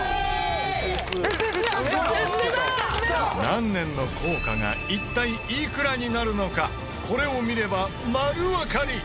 何年の硬貨が一体いくらになるのかこれを見れば丸わかり！